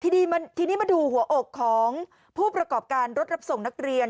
ทีนี้ทีนี้มาดูหัวอกของผู้ประกอบการรถรับส่งนักเรียน